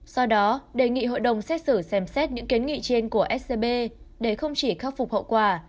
do đó đề nghị hội đồng xét xử xem xét những kiến nghị trên của scb để không chỉ khắc phục hậu quả